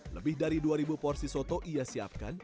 lebih dari dua ribu porsi soto ia siapkan